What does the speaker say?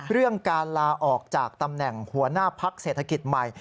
เรื่องการลาออกจากตำแหน่งหัวหน้าพักเศรษฐกิจใหม่